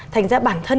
thành ra bản thân